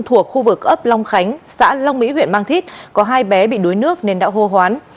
thuộc khu vực ấp long khánh xã long mỹ huyện mang thít có hai bé bị đuối nước nên đã hô hoán